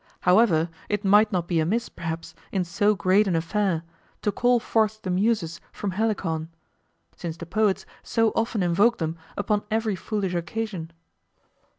However it might not be amiss perhaps in so great an affair to call forth the Muses from Helicon, since the poets so often invoke them upon every foolish occasion.